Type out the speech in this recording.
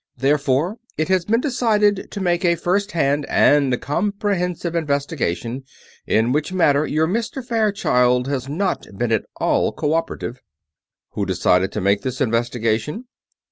Therefore it has been decided to make a first hand and comprehensive investigation, in which matter your Mr. Fairchild has not been at all cooperative." "Who decided to make this investigation?"